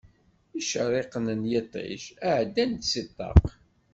Icerriqen n yiṭij ɛeddan-d si ṭṭaq.